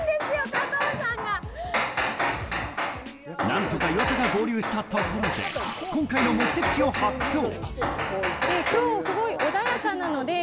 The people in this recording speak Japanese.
何とか岩田が合流したところで今回の目的地を発表。